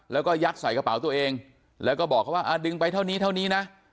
แล้วก็ยัดใส่กระเป๋าตัวเองแล้วก็บอกเขาว่าดึงไปเท่านี้เท่านี้นะ